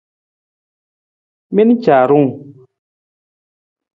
Mi na caarung!